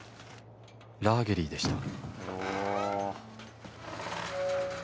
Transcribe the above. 「ラーゲリでした」